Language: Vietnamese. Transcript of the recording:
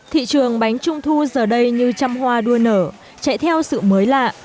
thị trường bánh trung thu giờ đây như trăm hoa đua nở chạy theo sự mới lạ